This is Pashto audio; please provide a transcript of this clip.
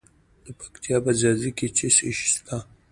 د پکتیا په ځاځي کې څه شی شته؟